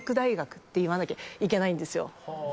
って言わなきゃいけないんですよ